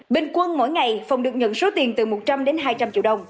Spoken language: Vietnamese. bình quân mỗi ngày phòng được nhận số tiền từ một trăm linh đến hai trăm linh triệu đồng